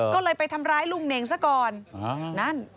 ก็เลยไปทำร้ายลุงเน่งซะก่อนนั่น